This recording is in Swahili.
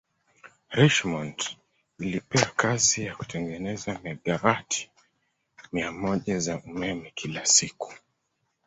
Richmond ilipewa kazi ya kutengeneza megawati mia moja za umeme kila siku